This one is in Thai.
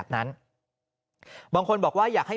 กรุงเทพฯมหานครทำไปแล้วนะครับ